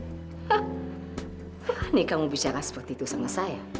ini kamu bicara seperti itu sama saya